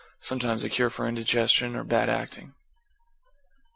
Sometimes a cure for indigestion or bad acting.